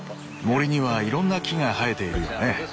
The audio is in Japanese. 森にはいろんな木が生えているよね。